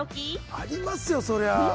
ありますよ、そりゃ。